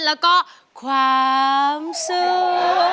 แล้วก็ความสุข